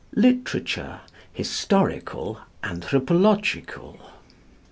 LITERATURE HISTORICAL, ANTHROPOLOGICAL.